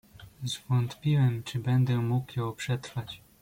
"Zwątpiłem czy będę mógł ją przetrwać."